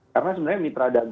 karena sebenarnya mitra dagangnya